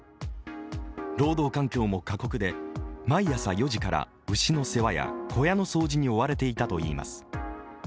労働環境も過酷で毎朝４時から牛の世話や小屋の掃除に追われていたといいます。